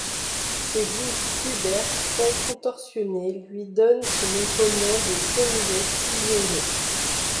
Ses gousses pubères très contorsionnées lui donnent son nom commun de Chenillette sillonnée.